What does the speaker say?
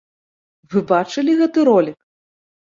Вы бачылі гэты ролік?